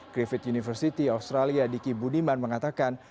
griffith university australia diki budiman mengatakan